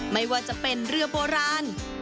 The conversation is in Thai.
ไม่ว่าจะเป็นเรือโบราณ